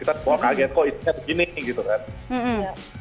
kita semua kaget kok isinya begini gitu kan